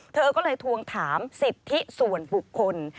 เธอก็เลยทวงถามสิทธิส่วนบุคคล